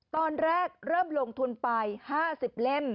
ตอนแรกเริ่มลงทุนไป๕๐เล่ม